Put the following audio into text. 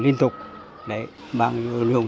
liên tục đấy mang dùng